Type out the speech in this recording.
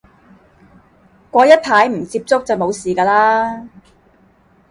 過一排唔接觸就冇事嘅喇